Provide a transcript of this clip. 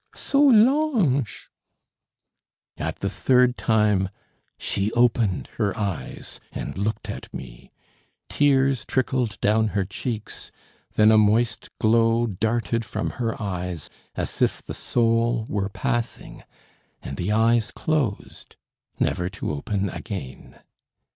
Solange!" At the third time she opened her eyes and looked at me. Tears trickled down her cheeks; then a moist glow darted from her eyes, as if the soul were passing, and the eyes closed, never to open again.